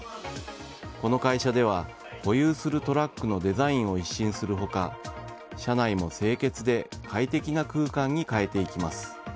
この会社では保有するトラックのデザインを一新する他車内も清潔で快適な空間に変えていきます。